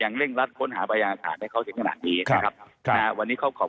อย่างเร่งรัดต้นหาปะยาภาษาให้เขาถึงขนาดนี้นะครับ